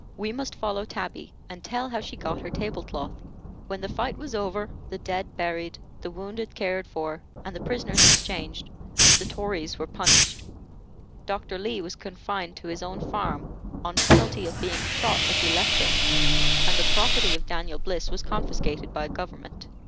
We must follow Tabby, and tell how she got her table cloth. When the fight was over, the dead buried, the wounded cared for, and the prisoners exchanged, the Tories were punished. Dr. Lee was confined to his own farm, on penalty of being shot if he left it, and the property of Daniel Bliss was confiscated by government.